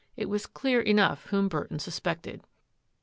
It was clear enough whom Burton suspected.